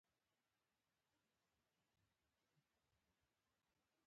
موږ هیله درلوده چې د دې کور ارزښت به بیرته لوړ شي